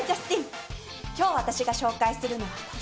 今日私が紹介するのはこちら。